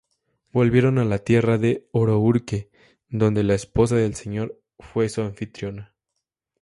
Volvieron a la tierra de O'Rourke, donde la esposa del señor fue su anfitriona.